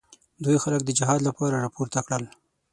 دوی خلک د جهاد لپاره راپورته کړل.